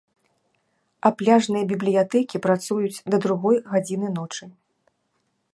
А пляжныя бібліятэкі працуюць да другой гадзіны ночы.